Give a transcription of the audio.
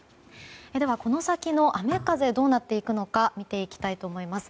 では、この先の雨風どうなっていくのか見ていきたいと思います。